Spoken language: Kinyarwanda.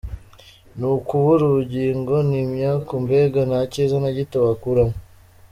ni ukubura ubugingo, ni imyaku, mbega nta kiza na gito wakuramo.